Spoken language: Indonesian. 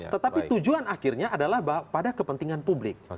tetapi tujuan akhirnya adalah pada kepentingan publik